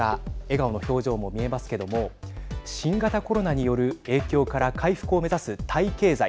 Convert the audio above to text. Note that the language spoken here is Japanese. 笑顔の表情も見えますけども新型コロナによる影響から回復を目指すタイ経済。